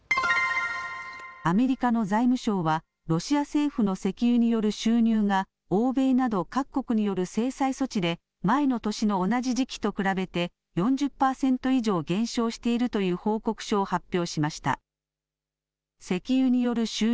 アメリカの財務省はロシア政府の石油による収入が欧米など各国による制裁措置で前の年の同じ時期と比べて４０％以上減少しているという報告書を発表しました。